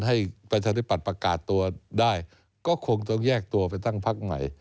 ประชาธิปัตย์ประกาศตัวได้ก็คงต้องแยกตัวไปตั้งพักใหม่